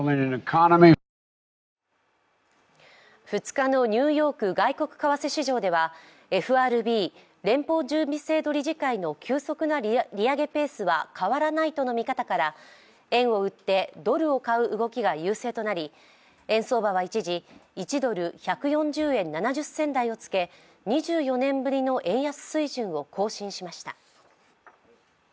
２日のニューヨーク外国為替市場ではＦＲＢ＝連邦準備制度理事会の急速な利上げペースは変わらないとの見方から円を売ってドルを買う動きが優勢となり、円相場は一時１ドル＝１４０円７０銭台をつけ２４年ぶりの円安水準を更新しました。